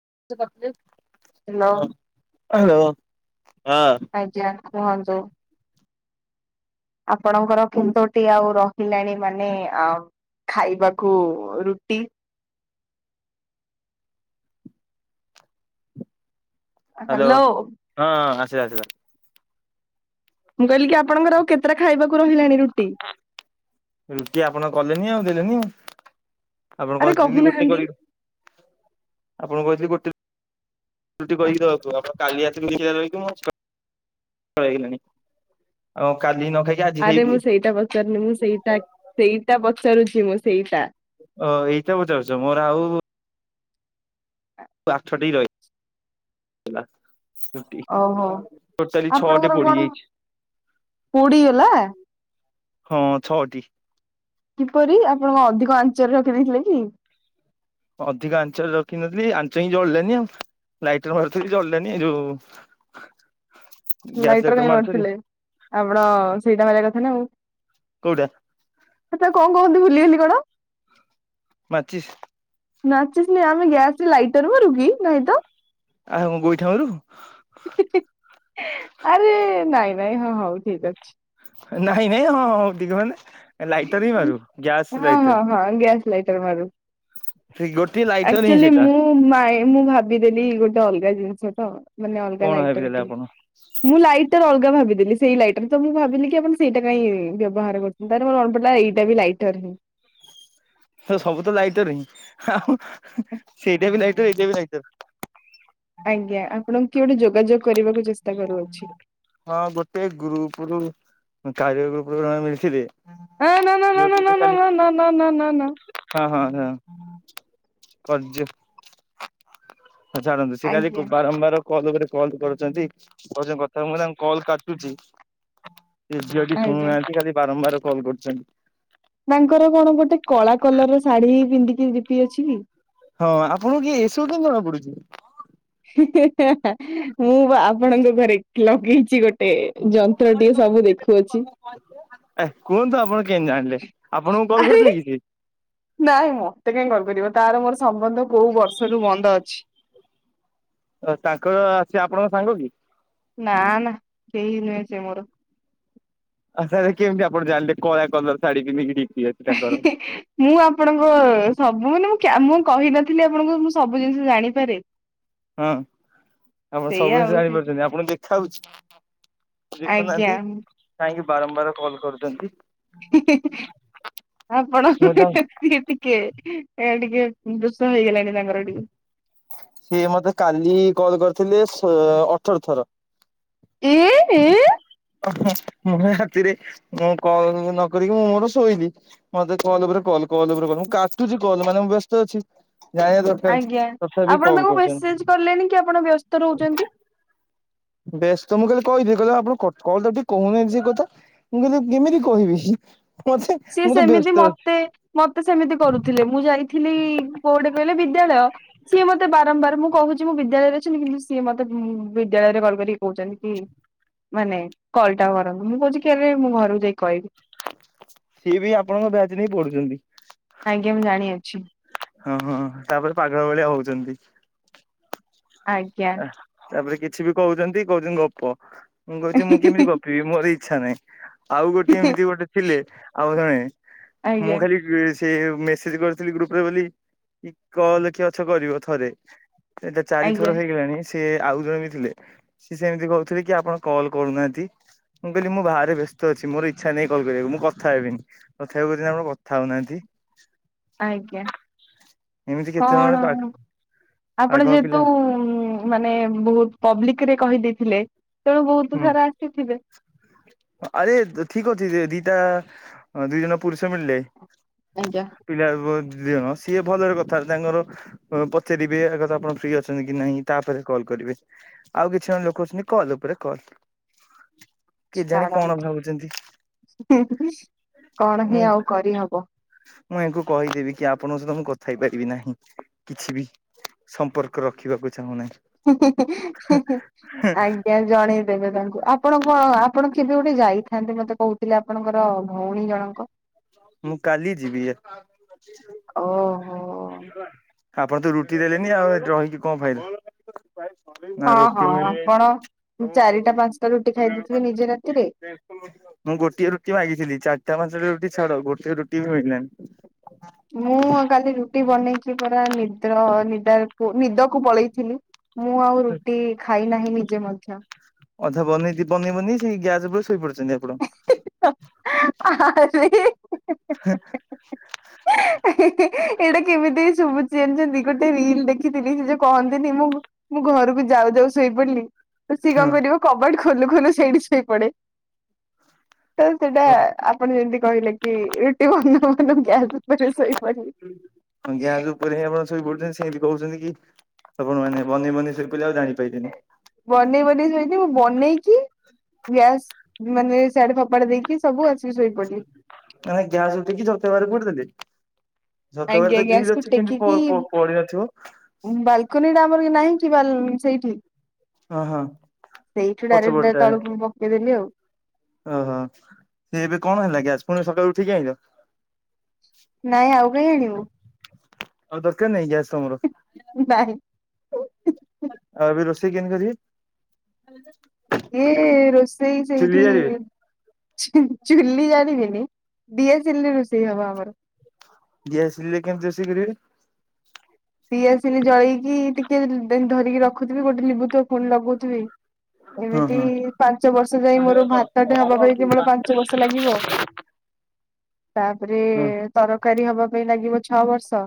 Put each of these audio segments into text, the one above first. [unintelligible] Hello. Hello. ଆଜ୍ଞା କୁହନ୍ତୁ। ଆପଣଙ୍କର କେତୋଟି ଆଉ ରହିଲାଣି ମାନେ ଆ ଖାଇବାକୁ ରୁଟି? ହାଲୋ ହ୍ୟାଲୋ ହଁ ଆସିଲା ଆସିଲା। ମୁଁ କହିଲି ଆପଣଙ୍କର ଆଉ କେତ ଖାଇବା ରୁଟି ଆପଣ କଲେନି ଆଉ ଦେଲେନି ଆଉ ଆପଣ ଆରେ କହିଥିଲ ଗୋଟେ କ କହୁନାହାନ୍ତି ଆପଣ କହିଥିଲି ଗୋଟେ ରୁଟି କହି କି ଦେବାକୁ ଆପଣ କାଲି ଆସିକି [unintelligible] ପଳଇଗଲାଣି ଆଉ [unintelligible] ଆରେ ଖାଇବି ମୁଁ ସେଇଟା ପଚାରୁନି ମୁଁ ସେଇଟା ସେଇଟା ପଚାରୁଚି ମୁଁ ସେଇଟା ଓ ଏଇଟା ପଚାରୁଚ ମୋର ଆଉ ଆଠଟି ରହିଚି। ଓହୋ ଟୋଟାଲି ଛଅଟି ଆପଣଙ୍କର ପୋଡି କଣ ଯାଇଚି। ପୋଡିଗଲା ହଁ ଛଅଟି। କିପରି ଆପଣଙ୍କ ଅଧିକ ଆଞ୍ଚରେ ରଖି ଦେଇେଇଥିଲେ କି? ଅଧିକା ଆଞ୍ଚରେ ରଖିିନଥିଲି ଆଞ୍ଚ ହିଁ ଜଳିଲାନି। ଲାଇଟର ମାରୁଥିବ ଜଳିଲାନି ଏ ଯୋଉ ଗ୍ୟାସ ଲାଇଟର କାଇ ମାରୁଥିଲି ମାରୁଥିଲେ ଆପଣ ସେଇଟା ମାରିବା କଥା ନା ଆଉ। କୋଉଟା? ସେଟା କଣ କହନ୍ତି ଭୁଲିଗଲି କଣ? ମାଚିସି? ମାଚିସି ନୁହେଁ, ଆମେ ଗ୍ୟାସରେ ଲାଇଟର ମରୁ କି ନାଇଁ ତ? ଆ ହ ଗୋଇଠା ମାରୁ? ତ ଆରେ ନାଇଁ ନାଇଁ ହଁ ହୋଉ ଠିକ ଅଛି। ନାଇଁ ନାଇଁ ହଁ ହଁ ଟିକେ ମାନେ ଲାଇଟର ହଁ ମାରୁ ଗ୍ୟାସ ହଁ ହଁ ଲାଇଟର। ହଁ ଗ୍ୟାସ୍ ଲାଇଟର ମାରୁ ସେ ଗୋଟିଏ ଲାଇଟର ହିଁ ଅକ୍ଚୁଆଲି ସେଇଟା ମୁଁ ମା ଭାବିଦେଲି ଗୋଟେ ଅଲଗା ଜିନିଷ ତ, ମାନେ ଅଲଗା କଣ ଲାଇଟ ଭାବିଦେଲେ ଏଠ ଆପଣ ମୁଁ ଲାଇଟ୍ ଅଲଗା ଭାବିଥିଲି ସେଇ ଲାଇଟର ତ ମୁଁ ଭାବିଲି କି ଆପଣ ସେଇଟା କାଇଁ ବ୍ୟବହାର କର ତା ପରେ ମୋର ମନେପଡ଼ିଲା ଏଇଟା ବି ଲାଇଟର ସବୁ ତ ଲାଇଟର ହିଁ ଆଉ ସେଇଟା ବି ଲାଇଟର ଏଇଟା ବି ଲାଇଟର। ଆଜ୍ଞା ଆପଣଙ୍କୁ କିଏ ଗୋଟେ ଯୋଗାଯୋଗ କରିବାକୁ ଚେଷ୍ଟା କରୁଅଛି। ହଁ ଗୋଟେ ଗ୍ରୁପ ରୁ କାରିଆ ଗ୍ରୁପରୁ ମିଳିଥିଲେ। ନା ନା ଝିଅଟି ନା ସେ ନା ଖାଲି ନା ନା ନା ନା। ହଁ ହଁ ହଁ ପଯ୍ୟ ହଁ ଛାଡ଼ନ୍ତୁ ସେ କାଲି ଆଜ୍ଞା [unintelligible] କଲ ଉପରେ କଲ କରୁଚନ୍ତି, କହୁଚନ୍ତି କଥା କଲ କାଟୁଚି। ସେ ଝିଅଟି ଆଜ୍ଞା। ଶୁଣୁନାହାନ୍ତି, ଖାଲି ବାରମ୍ବାର କଲ୍ କରୁଚନ୍ତି। ତାଙ୍କର କଣ ଗୋଟେ କଳା କଲର ର ଶାଢୀ ପିନ୍ଧିକି ଡି ପି ଅଛି କି? ହଁ ଆପଣଙ୍କୁ କିଏ ଏସବୁ କେମତି ଜଣା ପଡୁଚି? ହେଁ ହେଁ ମୁଁ ପା ଆପଣଙ୍କ ଘରେ ଲଗେଇଚି ଗୋଟେ ଏ ଯନ୍ତ୍ରଟିିକେ ସବୁ ଦେଖୁଛି। ଏ କୁହନ୍ତୁ ଆପଣ କେମତି ଜାଣିଲେ ଆପଣଙ୍କୁ କଲ ଆରେ କରିଥିଲେ କି ସେ? ନାଇଁ ମତେ କାଇହିଁ କରିପାରିବ ତାର ମୋର ସମ୍ବନ୍ଧ କୋଉ ବର୍ଷରୁ ବନ୍ଦ ଅଛି। ତାଙ୍କର ସେ ଆପଣଙ୍କ ସାଙ୍ଗ କି? ନା ନା କେହି ନୁହେଁ। ସେ ମୋର ଆ ତାହେଲେ କେମିତି ଆପଣ ଜାଣିଲେ କଳା କଲର ଶାଢୀ ପିନ୍ଦିକି ହିଁ ହିଁ ମୁଁ ଆପଣଙ୍କ ସବୁ ମାନେ ମୁ ମୁଁ କହିନଥିଲି ଆପଣଙ୍କୁ ମୁଁ ସବୁ ଜିନିଷ ଜାଣିପାରେ। ହଁ ଆପଣ ସେଇଆ ସବୁ ଆଉ କିଛି ସେଇଠି ଜାଣିପାରୁଛନ୍ତି ଆପଣଙ୍କୁ ଦେଖା ହୋଉ ଆଜ୍ଞା। ଦେଖୁନାହାନ୍ତି କାଇହିଁକି ବାରମ୍ବାର କଲ କରୁଚନ୍ତି? ହିଁ ହିଁ ଆପଣ ମୁଁ ଟିକେ ତାଙ୍କୁ ଏ ଟିକେ ଦୋଷ ହେଇଗଲାଣି ତାଙ୍କର ଟିକେ ସିଏ ମତେ କାଲି କଲ କରିଥିଲେ ଅଠର ଥର। ହଁ ହ। ମୁଁ ରାତିରେ ମୁଁ କଲ ନ କରିକି ମୁଁ ମୋର ଶୋଇଲି ମତେ କଲ ଉପରେ କଲ। ମୁଁ କାଟୁଛି କଲ ମାନେ ମୁଁ ବ୍ୟସ୍ତ ଅଛି ଜାଣିବା ଦରକାର। ଆଜ୍ଞା। ତଥାପି ଆପଣ କଲ୍ ତାଙ୍କୁ କରୁଛନ୍ତି। ମେସେଜ କଲେଣିି କି ଆପଣ ବ୍ୟସ୍ତ ରହୁଛନ୍ତି? ବସ୍ତ ତ ମୁଁ କହିଲଲି କହିଥିଲି କହିଲେ ଆପଣ କ ତ ଟିକ କହୁନିନ୍ତି ସେ କଥା? ମୁଁ କହିଲୁ କେମିତି କହିବି? ମତେ ସିଏ ମୁଁ ତ ସେମିତି ବ୍ୟସ୍ତ ଅଛି ମତେ ମତେ ସେମିତି କରୁଥିଲେ ମୁଁ ଯାଇଥିଲି କୋଉଟେ କହିଲେ ବି ବିଦ୍ୟାଳୟ ସିଏ ମତେ ବାରମ୍ବାର ମୁଁ କହୁଛି ମୁଁ ବିଦ୍ୟାଳୟରେ ଅଛିି କିନ୍ତୁ ସିଏ ମତେ ବିଦ୍ୟାଳୟରେ କଲ କରି କହୁ କି ମାନେ କଲ ଟା କରନ୍ତୁ ମୁଁ କହୁଛି କେରେ ମୁଁ ଘରକୁ ଯାଇ କହିବି। ସିଏ ବି ଆପଣଙ୍କ ବ୍ୟାଚ୍ ନେଇ ପଢୁଛନ୍ତି। ଆଜ୍ଞା ମୁଁ ଜାଣିଅଛି। ହଁ ହଁ ତାପରେ ପାଗଳ ଭଳିଆ ହଉଛନ୍ତି। ଆଜ୍ଞା ତାପରେ କିଛି ବି କହୁଛନ୍ତି କହୁଛନ୍ତି ଗପ ମୁଁ କହୁଛି ମୁଁ କେମିତି ଗପିବି ମୋର ଏଇ ଇଚ୍ଛା ନାଇଁ ଆଉ ଗୋଟେ ଏମିତି ଗୋଟେ ଥିଲେ ଆଉ ଜଣେ ମୁଁ ଆଜ୍ଞା ଖାଲି ସେ ମେସେଜ କରିଥିଲି ଗ୍ରୁପ ରେ ବୋଲି ଏ କଲ କିଏ ଅଛ କରିବ ଥରେ। ଏଇଟା ଆଜ୍ଞା ଚାରିଥର ହେଇ ସେ ଆଉ ଜଣେ ବି ଥିଲେ ସେ ସେମିତି କହୁଥିଲେ କି ଆପଣ କଲ୍ କରୁନାହାନ୍ତି? ମୁଁ କହିଲି ମୁଁ ବାହାରେ ବ୍ୟସ୍ତ ଅଛି ମୋର ଇଚ୍ଛା ନାଇ କଲ କରିବାକୁ ମୁଁ କଥା ହେବିନି କଥା ହେକୁ କି ଆପଣ କଥା ହଉନାହାନ୍ତି। ହ [inaudible] ଆଜ୍ଞା। ଏମିତି କେତେ କଣ ଜଣ ପାଠ। ଆପଣ ଯେହେତୁ ମାନେ ବହୁତ ପବ୍ଲିକ କିରେ କହିଦେଇଥିଲେ ତେଣୁ ବହୁତ ହୁଁ ସାରା ଆସିଥିବେ। ଆରେ ଠିକ ଅଛି ଦିଟା ଦି ଜଣ ପୁରୁଷ ମିଳିଲେ। ଆଜ୍ଞା ପିଲା ବ [inaudible] ଇଏ ସିଏ ଭଲରେ କଥା ତାଙ୍କର ପଚାରିବେ ଆଗ ଆପଣ ଫ୍ରି ଅଛନ୍ତି କି ନାହିଁ ତାପରେ କଲ୍ କରିିବେ। ଆଉ କିଛି ଜଣ ଲୋକ ଅଛନ୍ତି କଲ ଉପରେ କଲ। ଛାଡ଼ କଣ ହି ମୁଁ ଆଉ କରିହବ। ମୁଁ ଏହାଙ୍କୁ କହିବି କି ଆପଣଙ୍କ ସହିତ କ ଥାଇ ପାରିବି ନାହିଁ କିଛି ବି ସମ୍ପର୍କ ରଖିବାକୁ ଚାହୁଁ ନାହିଁ। ହେଁ ହେଁ ଆଜ୍ଞା ଜଣେଇଦେବେ ତାଙ୍କୁ। ଆପଣଙ୍କ ଆପଣ କେବେ ଗୋଟେ ଯାଇଥାନ୍ତେ ମତେ କହୁଥିଲେ ଆପଣଙ୍କର ଭଉଣୀ ଜଣଙ୍କ। ମୁଁ କାଲି ଯିବିଏ ଓହୋ। ଆପଣ ତ ରୁଟି ଦେଲେନି ଆଉ ରହିକି କଣ ଫାଇଦା? ନା ହଁ ରୁଟି ହଁ ମିଳି ଆପଣ ଚାରିଟା ପାଞ୍ଚଟା ରୁଟି ଖାଇଦେଇଥିବେ ନିଜ ରାତିରେ। ମୁଁ ଗୋଟିଏ ରୁଟି ମାଗିଥିଲି ଚାରିଟା ପାଞ୍ଚାଟା ରୁଟି ଛାଡ ଗୋଟେ ରୁଟି ବି ମିିଲିଲାଣି। ମୁଁ କାଲି ରୁଟି ବନେଇକି ପରା ନିଦ୍ର ନିଦ ନିଦ କୁ ପଳେଇଥିଲି ମୁଁ ଆଉ ରୁଟି ଖାଇ ନାହିଁ ନିଜେ ମଧ୍ୟ। ଅଧା ବନେଇକି ବନେଇିବନି ସେଇ ଗ୍ୟାସ ଉପରେ ଶୋଇପଡିଛନ୍ତି ଆପଣ। ଆରେ ଏଇଟା କେମିତି ହି ଶୁଭୁଛି। ଜାଣିଛନ୍ତି ଗୋଟେ ରିଲ ଦେଖିଥିଲି ସେ ଯଉ କହନ୍ତିନି ମୁଁ ମୁଁ ଘରକୁ ଯାଉ ଯାଉ ଶୋଇପଡିଲି। ତ ସିଏ କଣ କରିବ କବାଡ ଖୋଲୁ ଖୋଲୁ ସେଇଠି ଶୋଇପଡେ ତ ସେଇଟା। ଆପଣ ଯେମିତି କହିଲେ କି ରୁଟି ବନଉ ବନଉ ଗ୍ୟାସ୍ ଉପରେ ଶୋଇପଡିଲେ। ହଁ ଗ୍ୟାସ ଉପରେ ହିଁ ଆପଣ ଶୋଇ ପଡୁଛନ୍ତି ସେମତି କହୁଛନ୍ତି କି ଆପଣ ମାନେ ବନେଇ ବନେଇ ଶୋଇପଡିଲି। ବନେଇ ବନେଇ ଶୋଇଛି ମୁଁ ବନେଇକି ବ୍ୟାସ ମାନେ ସିଆଡେ ଫପାଡ ଦେଇକି ସବୁ ଅଛି। ନା ଗ୍ୟାସ ଉ ଦେଇକିତେବାର କରିଦେଲି [inaudible] ଆଜ୍ଞା ଆଜ୍ଞା ଗ୍ୟାସକୁ ଟେକିକି ପ ପଡିନଥିବ ବାଲକୁନି ଆମର ନାହିଁ କି ବା ସେଇଠି [inaudible] ହଁ ହଁ ସେଇଠୁ ପଛ ଡାଇରେକ୍ଟ ପଟଟା। ତଳକୁ ପକେଇଦେଲି ଆଉ ଓହୋ ସେ ଏବେ କଣ ହେଲା କି ଆଜି ପୁଣି ସକାଳୁ ଉଠିକ ଆଇଛ? ନାଇଁ ଆଉ କାହିଁ ଆଣିବୁ। ଆଉ ଦରକାର ନାହିଁ ଗ୍ୟାସ ତମର? ନାଇଁ। ଆଉ ଏବେ ରୋଷେଇ କେମିତି କରିବେ? ଇଏ ରୋଷେଇ ସେଇଠି ଚୁଲି ଜାଳିବେ ଚୁ ଚୁଲି ଜାଣିବିନି ଦିଆସିଲିରେ ରୋଷେଇ ହବ ଆମର ଗ୍ୟାସ ସରିଲେ କେମିତି ରୋଷେଇ କରିବେ? ପି ଆସିଲେ ଜଳେଇକି ଟିକେ ଧରିକି ରଖୁଥିବି ଗୋଟେ ଲିଭୁଥିବ ପୁଣି ଲଗଉଥିବି। [inaudible] ହୁଁ ଏମିତି ହୁଁ। ପାଞ୍ଚ ବର୍ଷ ଯାଇ ମୋର ଭାତଟେ ହବା ପାଇଁ କେବଳ ପାଞ୍ଚ ବର୍ଷ ଲାଗିବ [unintelligible] ତାପରେ ତରକାରୀ ହବା ପାଇଁ ଲାଗିବ ଛଅ ବର୍ଷ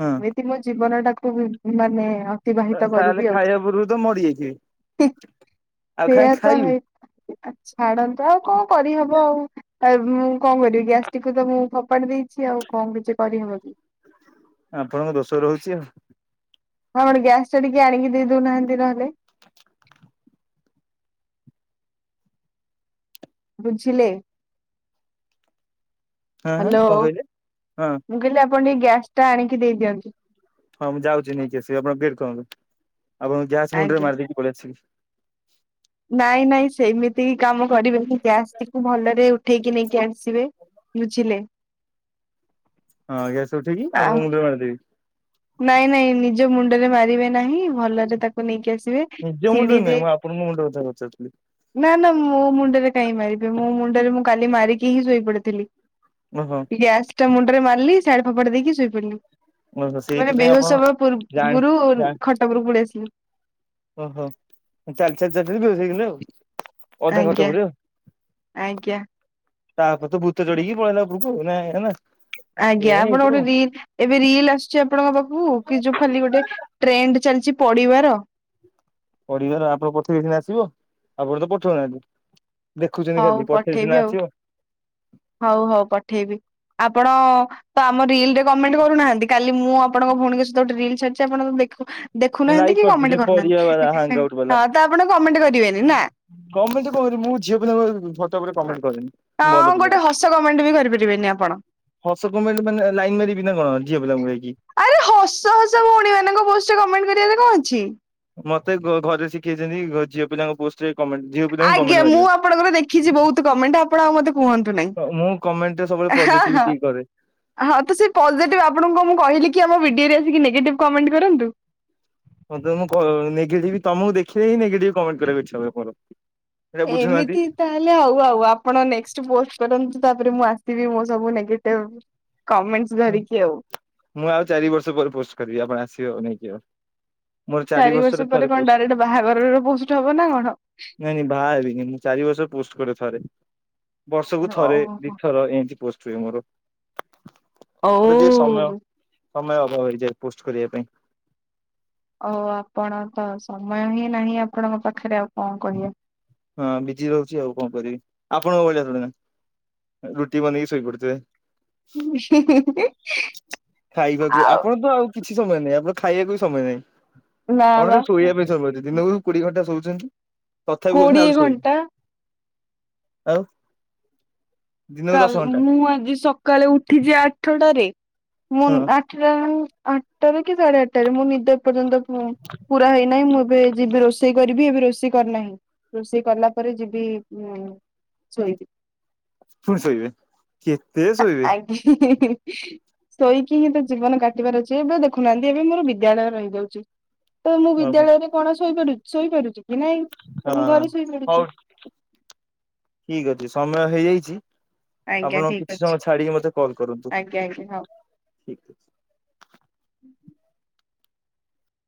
ହଁ। ଏଠତି ମୋ ଜୀବନ ଟାକୁ ମାନେ ଅତିବାହିତ ତାହେଲେ କରିବି ଆଉ। ଖାଇବା ପୂର୍ବରୁ ତ ମରିଯାଇଥିବେ ଆଉ କାହିଁ ସେଇୟା ତ ଖାଇବି ହେଇ ଛାଡ଼ନ୍ତୁ ଆଉ କଣ କରିହବ ଆଉ ମୁଁ କଣ କରିବି ଗ୍ୟାସଟିକୁ ତ ମୁଁ ଫୋପାଡି ଦେଇଛି। ଆଉ କଣ କିଛି କରିହବ କି? ଆଛା। ଆପଣଙ୍କ ଦୋଷ ରହୁଛି ଆଉ। ଆପଣ ଗ୍ୟାସ ଟ ଟିକେ ଆଣିକି ଦେଇ ଦଉନାହାନ୍ତି ନହେଲେ। [unintelligible] ବୁଝିଲେ। ହଁ ହଁ ହ୍ୟାଲୋ କଣ କହିଲେ ହଁ ମୁଁ କହିଲି ଆପଣ ଟିକେ ଗ୍ୟାସ୍ ଟା ଆଣିକି ଦେଇଦିଅନ୍ତୁ? ହଁ ମୁଁ ଯାଉଛି ନେଇକି ଆସିବି ଆପଣ ବେଟ କରନ୍ତୁ ଆପଣଙ୍କୁ ଗ୍ୟାସ ମୁଣ୍ଡ ରେ ଆଜ୍ଞା ମାରି ଦେଇକି ପଳେଇ ଆସିବି। ନାଇଁ ନାଇଁ ସେମିତି କି କାମ କରିବେନି ଗ୍ୟାସଟିକୁ ଭଲରେ ଉଠେଇକି ନେଇକି ଆସିବେ। ବୁଝିଲେ। ହଁ ଗ୍ୟାସ ଉଠିକି ଆଉ ଆପଣଙ୍କୁ ମୁଁ ମାରିଦେବି। ନାଇଁ ନାଇଁ ନିଜ ମୁଣ୍ଡରେ ମାରିବେନି। ନାହିଁ ଭଲରେ ତାକୁ ନେଇକି ଆସିବେ ନିଜ ମୁଣ୍ଡରେ ଶିଡିରେ ନାହିଁ ମୁଁ ଆପଣଙ୍କ ମୁଣ୍ଡ କଥା ପଚାରୁଥିଲି ନା ନା ମୋ ମୁଣ୍ଡରେ କାଇହିଁ ମାରିବି ମୋ ମୁଣ୍ଡରେ ମୁଁ କାଲି ମାରିକି ହ୍ନି ଶୋଇପଡ଼ିଥିଲି ଓହୋ ଗ୍ୟାସ ଟା ରେ ମାରିଲି ଶାଢ଼ୀ ଫୋପାଡ଼ି ଦେଇକି ଶୋଇ ପଡିଲି। ଓହୋ ମାନେ ସେଇଥିପାଇଁ ଆପଣ ବେହୋସ ହବା ଜାଣି ପୂର୍ବରୁ ଜାଣି ଖଟ ଉପରକୁ ପଳେଇ ଆସିଲି। ଓହୋ ଚାଲି ଚାଲି ଯାଇକି ବେହୋସ ହେଇଗଲ। ଆଜ୍ଞା ଆଜ୍ଞା। ତାପରେ ତ ଭୂତ ଚଢିକି ପଳେଇଲା [unintelligible] ଏଇଆ ଆଜ୍ଞା ଆପଣ ହେଇଥିବ ଗୋଟେ ରିଲ ଏବେ ରିଲ ଆସୁଛି ଆପଣଙ୍କ ପାଖକୁ କି ଯୋଉଁ ଖାଲି ଗୋଟେ ଟ୍ରେଣ୍ଡ ଚାଲିଛି। ପଡିବାର। ପଡ଼ିବାର ଆପଣ ପଠେଇ ସିନା ଆସିବ ଆପଣ ତ ପଠଉନାହାନ୍ତି। ଦେଖୁଛନ୍ତି ହଉ ଖାଲି ପଠେଇଛି ପଠେଇବି ସିନା ଆଉ ଆସିବ। ହଉ ହଉ ପଠେଇବି। ଆପଣ ତ ଆମ ରିଲ ରେ କମେଣ୍ଟ କରୁନାହାନ୍ତି। କାଲି ମୁଁ ଆପଣଙ୍କ ଭଉଣୀଙ୍କ ସହିତ ଗୋଟେ ରିଲ ଛାଡିଛି ଆପଣ ଦେଖୁ ମୁଁ ଦେଖୁନାହାନ୍ତି ଲାଇକ୍ କି କରିଛି କମେଣ୍ଟ ଯୋଉ ପରିବା ବାଲା ହାଙ୍ଗ କରୁନାହାନ୍ତି। ଆଉଟ୍ ବାଲା ହଁ ତ ଆପଣ କମେଣ୍ଟ କରିବେନି ନା? କମେଣ୍ଟ କରିମୁ ଝିଅ ପିଲା [unintelligible] ହଁ ଗୋଟେ ହସ କମେଣ୍ଟ ବି କରିପାରିବେନି ଆପଣ। ହସ କମେଣ୍ଟ ମାନେ ଲାଇନ ମାରିବିନା କଣ ଝିଅ ପିଲାଙ୍କୁ ଯାଇକି। ଆରେ ହସ ହସ ଭଉଣୀ ମାନଙ୍କ ପୋଷ୍ଟରେ କମେଣ୍ଟ କରିବାରେ କଣ ଅଛି। ମତେ ଘରେ ଶିଖେଇଛନ୍ତି ଝିଅ ପିଲାଙ୍କ ପୋଷ୍ଟରେ କମେଣ୍ଟ ଝିଅ ପିଲାଙ୍କୁ ଆଜ୍ଞା କମେଣ୍ଟ ମୁଁ ମାରିବା। ଆପଣଙ୍କର ଦେଖିଛି ବହୁତ କମେଣ୍ଟ ଆପଣ ଆଉ ମତେ କୁହନ୍ତୁ ମୁଁ କମେଣ୍ଟରେ ସବୁବେଳେ ନାହିଁ। ହଁ ହଁ ପଜିଟିଭିଟି କରେ। ହଁ ତ ସେ ପଜିଟିଭ ଆପଣଙ୍କୁ ମୁଁ କହିଲି କି ଆମ ଭିଡିଓରେ ଟିକେ ନେଗେଟିଭ କମେନ୍ଟ କରନ୍ତୁ? ହଁ ତ ମୁଁ ନେଗେଟିଭ ତମକୁ ଦେଖିଲେ ହିଁ ନେଗେଟିଭ କମେଣ୍ଟ କରିବାକୁ ଇଚ୍ଛା ହୁଏ ମୋର ଏଇଟା ବୁଝୁନାହାନ୍ତି। ଏମିତି ତାହେଲେ ଆଉ ଆଉ ଆପଣ ନେକ୍ଟ ପୋଷ୍ଟ କରନ୍ତୁ ତା ତାରେ ମୁଁ ଆସିବି ମୋ ସବୁ ନେଗେଟିଭ କମେଣ୍ଟସ ହୁଁ ଧରିକି ଆଉ ମୁଁ ଆଉ ଚାରି ବର୍ଷ ପରେ ପୋଷ୍ଟ କରିବି ଆପଣ ଆସିବେ ଆଉ ନେଇକି ଆଉ ମୋର ଚାରି ବର୍ଷ ବର୍ଷରେ ପରେ ଥରେ କଣ ଡାଇରେକ୍ଟ ପୋଷ୍ଟ ବାହାଘରର ପୋଷ୍ଟ ହବ ନା କଣ? ନାଇଁ ନାଇଁ ବାହା ହେବିନି ମୁଁ ଚାରି ପୋଷ୍ଟ କରି ଥରେ ବର୍ଷକୁ ଥରେ ଓହୋ ଦିଇଥର ଏମତି ପୋଷ୍ଟ ହୁଏ ମୋର। ଓଉ। ମତେ ଟିକେ ସମୟ ସମୟ ଅଭାବ ହେଇଯାଏ ଅଜି ପୋଷ୍ଟ କରିବା ପାଇଁ। ଓ ଆପଣ ତ ସମୟ ହିଁ ନାହିଁ ଆପଣଙ୍କ ପାଖରେ ଆଉ କଣ କହିବା। ହଁ ବିଜି ରହୁଛି ଆଉ କଣ କରିବି ଆପଣଙ୍କ ଭଳିଆ ଥୋଡି ନା ରୁଟି ବନେଇକି ଶୋଇପଡ଼ିଥିବେ ଖାଇବାକୁ ଆପଣ ତ ଆଉ କିଛି ସମୟ ନାହିଁ ଆପଣ ଖାଇବାକୁ ବି ସମୟ ନାହିଁ ନା ଆପଣ ବା ଶୋଇବା ପାଇଁଛନ୍ତି ଦିନକୁ କୋଡିଏ ଘଣ୍ଟା ଶୋଉଛନ୍ତି ତଥାପି କହୁଛନ୍ତି କୋଡ଼ିଏ ଆହୁରି ଶୋଇବି ଘଣ୍ଟା ଆଉ ଦିନକୁ ଦଶ କାଲି ଘଣ୍ଟା ମୁଁ ଆଜି ସକାଳେ ଉଠିଛି ଆଠଟାରେ ମୁଁ ନ୍ ହଁ ଆଠଟା ଆଟଟାରେ ସାଢେ ଆଠଟାରେ ମୁଁ ନିଦ ପର୍ଯ୍ୟନ୍ତ ପୁରା ହେଇନାହିଁ ମୁଁ ଏବେ ଯିବି ରୋଷେଇ କରିବି ଏବେ ରୋଷେଇ କରିନାହିଁ ରୋଷେଇ କଲା ପରେ ଯିବି ଉଁ ଶୋଇିବି ପୁଣି ଶୋଇବେ କେତେ ଶୋଇବେ ଆଜ୍ଞା। ଶୋଇକି ହିଁ ତ ଜୀବନ କାଟିବାର ଅଛି ଏବେ ଦେଖୁନାହାନ୍ତି ଏବେ ମୋର ବିଦ୍ୟାଳୟ ରହିଯାଉଛି। ତ ମୁଁ ଓହୋ ବିଦ୍ୟାଳୟରେ କଣ ଶୋଇ ଶୋଇପାରୁ ଶୋଇପାରୁଛି। କି ନାଇଁ ତ ମୁଁ ହଁ ଘରେ ଶୋଇ ପାରୁୁଚୁ ଠିକ ଅଛି ସମୟ ହେଇଯାଇଛି ଆପଣ କିଛି ଅଛି ସମୟ ଛାଡିକି ମତେ କଲ କରନ୍ତୁ। ଆଜ୍ଞା ଆଜ୍ଞା ହଉ। ଠିକ ଅଛି। [inaudible]